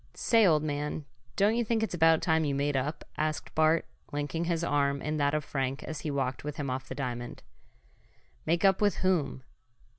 "Say, old man, don't you think it's about time you made up?" asked Bart, linking his arm in that of Frank as he walked with him off the diamond. "Make up with whom?"